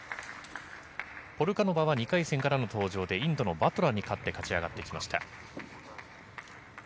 ポルカノバは２回戦からの登場で、インドのバトラーに勝って勝ち上がってきました。